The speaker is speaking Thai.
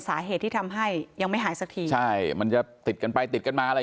สาเหตุที่ทำให้ยังไม่หายสักทีใช่มันจะติดกันไปติดกันมาอะไร